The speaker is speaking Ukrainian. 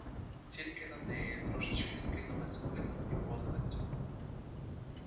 Тільки на неї трошечки скинулась видом і постаттю.